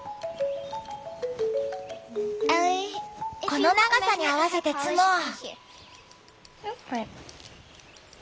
この長さに合わせて摘もう。